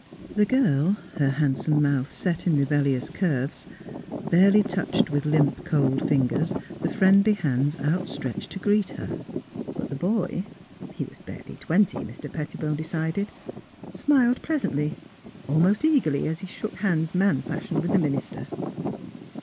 The girl, her handsome mouth set in rebellious curves, barely touched with limp cold fingers the friendly hands out stretched to greet her. But the boy — ^he was barely twenty, Mr. Pettibone decided — smiled pleasantly, almost eagerly as he shook hands man fashion with the minister.